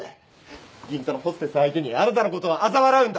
銀座のホステス相手にあなたのことをあざ笑うんだ。